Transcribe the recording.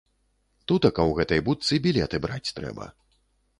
Тутака ў гэтай будцы білеты браць трэба.